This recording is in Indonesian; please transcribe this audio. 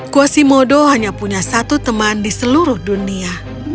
quasimodo hanya punya satu teman di seluruh dunia